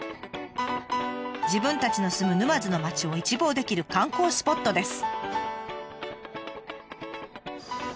自分たちの住む沼津の町を一望できる観光スポットです。